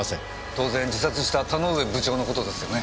当然自殺した田ノ上部長の事ですよね？